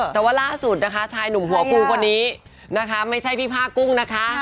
แต่ว่าล่าสุดนะคะชายหนุ่มหัวฟูคนนี้นะคะไม่ใช่พี่ผ้ากุ้งนะคะ